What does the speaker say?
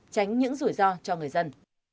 tránh những rủi ro cho người dân